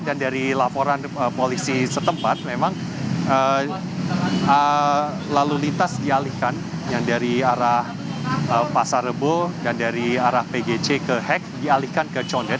dan dari laporan polisi setempat memang lalu lintas dialihkan yang dari arah pasar rebo dan dari arah pgc ke hek dialihkan ke conden